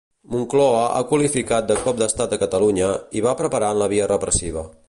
Moncloa ho qualifica de cop d'estat a Catalunya, i va preparant la via repressiva.